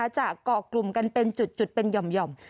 เกาะกลุ่มกันเป็นจุดเป็นหย่อม